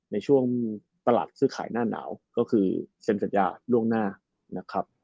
ในช่วงตลาดซื้อขายหน้าหนาวก็คือเซ็นสัญญาล่วงหน้านะครับ